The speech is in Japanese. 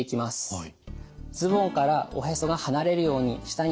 はい。